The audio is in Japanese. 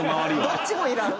どっちもいらん。